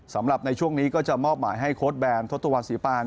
สำหรับในช่วงนี้ก็จะมอบหมายให้โค้ดแบนทศตวรรษีปาน